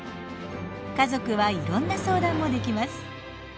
家族はいろんな相談もできます。